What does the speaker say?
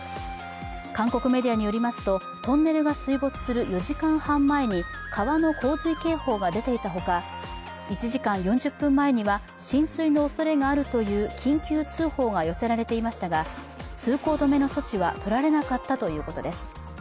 韓国メディアによりますと、トンネルが水没する４時間半前に川の洪水警報が出ていたほか、１時間４０分前には浸水のおそれがあるという緊急通報が寄せられていましたが通行止めの措置は取られなかったということです。